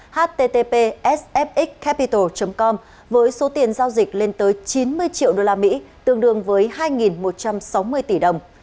http sfx capital com với số tiền giao dịch lên tới chín mươi triệu usd tương đương với hai một trăm sáu mươi tỷ đồng